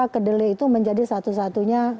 kedelai itu menjadi satu satunya